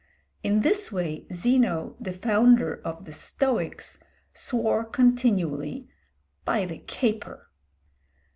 In this way Zeno, the founder of the Stoics, swore continually "by the caper."